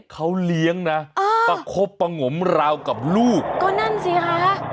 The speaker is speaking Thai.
เขาเลี้ยงนะประคบประงมราวกับลูกก็นั่นสิคะ